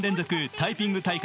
タイピング大会